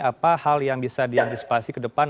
apa hal yang bisa diantisipasi ke depan